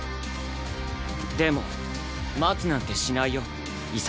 でも待つなんてしないよ潔。